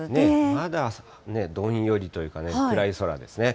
まだね、どんよりというかね、暗い空ですね。